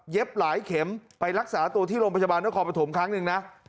หลายเข็มไปรักษาตัวที่โรงพยาบาลนครปฐมครั้งหนึ่งนะ